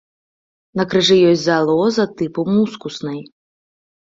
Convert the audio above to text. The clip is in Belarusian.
На крыжы ёсць залоза тыпу мускуснай.